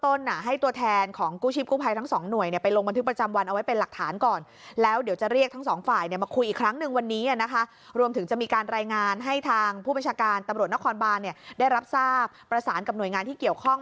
ตำรวจนครบานได้รับทราบประสานกับหน่วยงานที่เกี่ยวข้อง